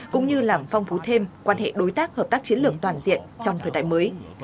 cũng như làm phong phú thêm quan hệ đối tác hợp tác chiến lược toàn diện trong thời đại mới